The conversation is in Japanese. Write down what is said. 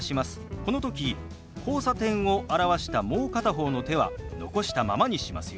この時「交差点」を表したもう片方の手は残したままにしますよ。